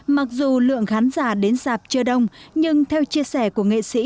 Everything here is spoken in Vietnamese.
mặc dù lượng khán giả đến dạp chưa đông nhưng theo chia sẻ của nghệ sĩ